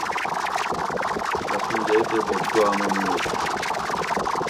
اسوں یئ تے بوب دوامو مُورش